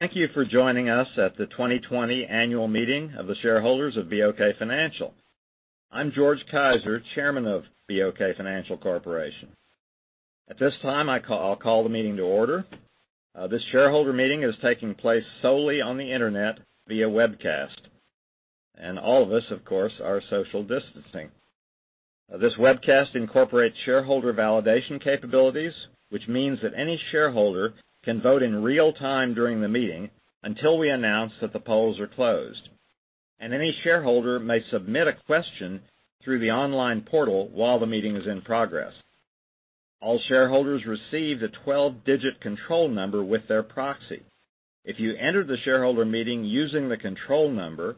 Thank you for joining us at the 2020 annual meeting of the shareholders of BOK Financial. I'm George Kaiser, chairman of BOK Financial Corporation. At this time, I'll call the meeting to order. This shareholder meeting is taking place solely on the internet via webcast. All of us, of course, are social distancing. This webcast incorporates shareholder validation capabilities, which means that any shareholder can vote in real time during the meeting until we announce that the polls are closed, and any shareholder may submit a question through the online portal while the meeting is in progress. All shareholders received a 12-digit control number with their proxy. If you enter the shareholder meeting using the control number,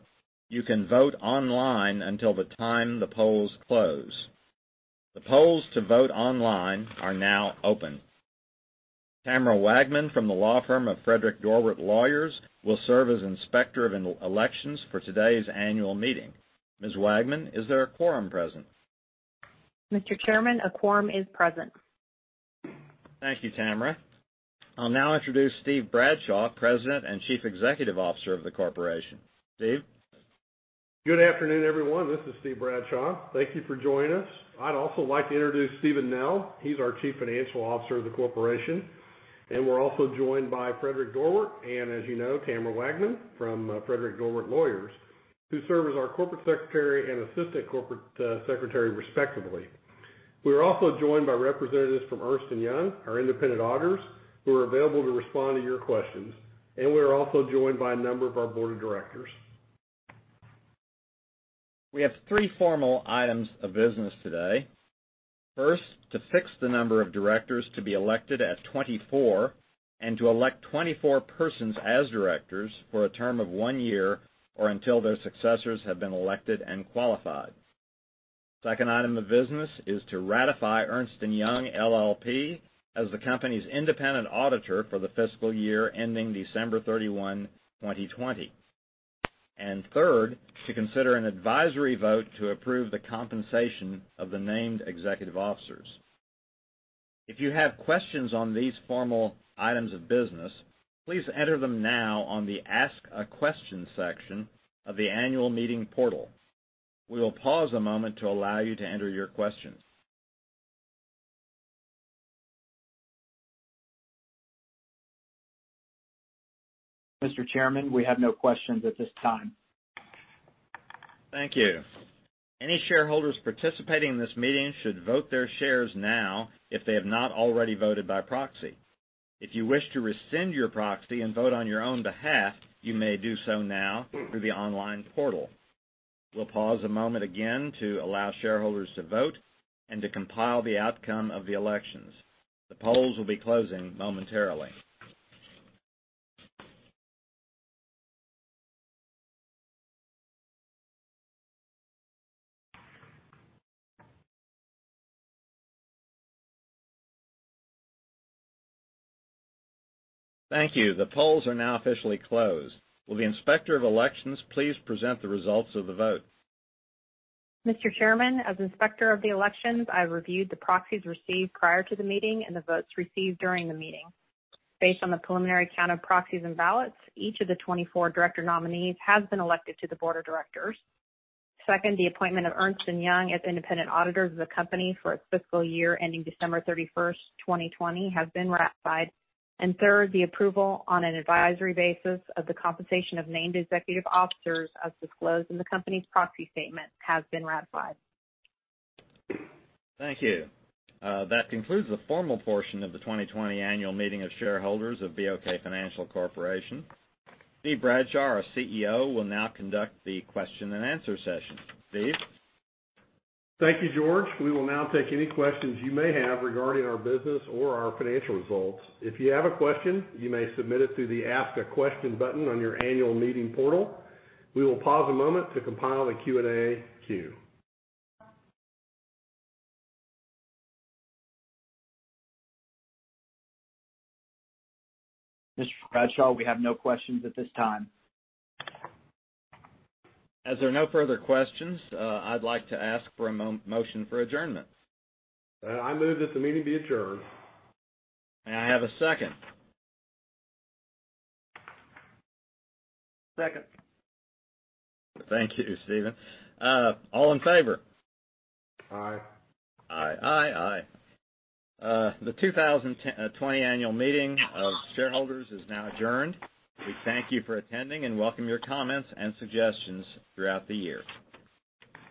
you can vote online until the time the polls close. The polls to vote online are now open. Tamara Wagman from the law firm of Frederic Dorwart Lawyers will serve as Inspector of Elections for today's annual meeting. Ms. Wagman, is there a quorum present? Mr. Chairman, a quorum is present. Thank you, Tamara. I'll now introduce Steve Bradshaw, President and Chief Executive Officer of the corporation. Steve? Good afternoon, everyone. This is Steve Bradshaw. Thank you for joining us. I'd also like to introduce Steven Nell. He's our Chief Financial Officer of the corporation. We're also joined by Frederic Dorwart, and as you know, Tamara Wagman from Frederic Dorwart Lawyers, who serve as our Corporate Secretary and Assistant Corporate Secretary, respectively. We are also joined by representatives from Ernst & Young, our independent auditors, who are available to respond to your questions. We are also joined by a number of our board of directors. We have three formal items of business today. First, to fix the number of directors to be elected at 24, and to elect 24 persons as directors for a term of one year or until their successors have been elected and qualified. Second item of business is to ratify Ernst & Young LLP as the company's independent auditor for the fiscal year ending December 31, 2020. Third, to consider an advisory vote to approve the compensation of the named executive officers. If you have questions on these formal items of business, please enter them now on the Ask a Question section of the annual meeting portal. We will pause a moment to allow you to enter your questions. Mr. Chairman, we have no questions at this time. Thank you. Any shareholders participating in this meeting should vote their shares now if they have not already voted by proxy. If you wish to rescind your proxy and vote on your own behalf, you may do so now through the online portal. We'll pause a moment again to allow shareholders to vote and to compile the outcome of the elections. The polls will be closing momentarily. Thank you. The polls are now officially closed. Will the Inspector of Elections please present the results of the vote? Mr. Chairman, as Inspector of the Elections, I reviewed the proxies received prior to the meeting and the votes received during the meeting. Based on the preliminary count of proxies and ballots, each of the 24 director nominees has been elected to the board of directors. Second, the appointment of Ernst & Young as independent auditors of the company for its fiscal year ending December 31st, 2020, has been ratified. Third, the approval on an advisory basis of the compensation of named executive officers as disclosed in the company's proxy statement has been ratified. Thank you. That concludes the formal portion of the 2020 annual meeting of shareholders of BOK Financial Corporation. Steve Bradshaw, our CEO, will now conduct the question and answer session. Steve? Thank you, George. We will now take any questions you may have regarding our business or our financial results. If you have a question, you may submit it through the Ask a Question button on your annual meeting portal. We will pause a moment to compile the Q&A queue. Mr. Bradshaw, we have no questions at this time. As there are no further questions, I'd like to ask for a motion for adjournment. I move that the meeting be adjourned. May I have a second? Second. Thank you, Steven. All in favor? Aye. Aye. The 2020 annual meeting of shareholders is now adjourned. We thank you for attending and welcome your comments and suggestions throughout the year.